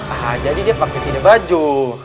ah jadi dia pake tine baju